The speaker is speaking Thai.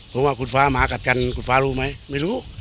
เพราะว่าคุณฟ้าหมากัดกันคุณฟ้ารู้ไหมไม่รู้